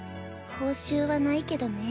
報酬はないけどね。